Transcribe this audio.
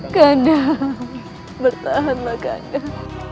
kandang bertahanlah kandang